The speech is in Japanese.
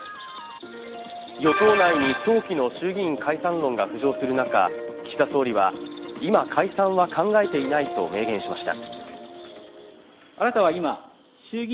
与党内に早期の衆議院解散論が浮上する中岸田総理は、今解散は考えていないと明言しました。